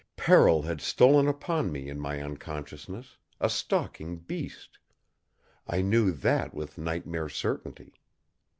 Peril had stolen upon me in my unconsciousness, a stalking beast. I knew that with nightmare certainty.